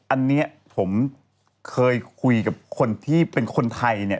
อันนี้ผมเคยคุยกับคนที่เป็นคนไทยเนี่ย